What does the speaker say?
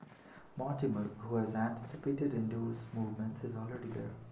Mortimer, who has anticipated Indio's movements, is already there.